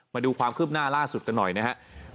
มาดูความคืบหน้าล่าสุดกันหน่อยนะครับ